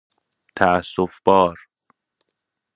تأسف بار